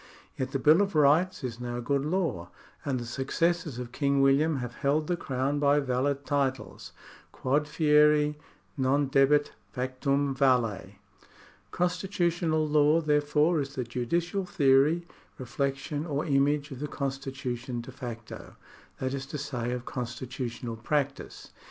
Yet the Bill of Rights is now good law, and the successors of King William have held the Crown by valid titles. Quod fieri non debet, factum valet. Constitutional law, therefore, is the judicial theory, reflec tion, or image of the constitution de facto, that is to say, of constitutional practice.